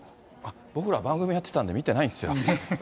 僕ら番組やってたんで、見てないんですよ。